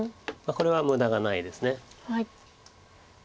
これは無駄がないです。